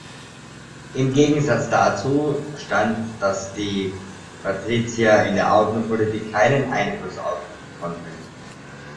Im Gegensatz dazu stand, dass die Patrizier in der Außenpolitik keinen Einfluss ausüben konnten.